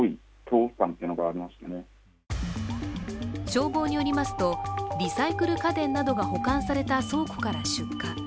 消防によりますとリサイクル家電などが保管された倉庫から出火。